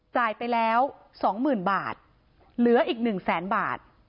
จ่ายไปแล้ว๒๐๐๐บาทเหลืออีก๑แสนบาท